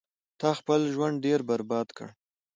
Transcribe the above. تا خپل ژوند ډیر برباد کړو